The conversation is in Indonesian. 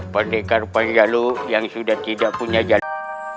pandekar paya lu yang sudah tidak punya jalan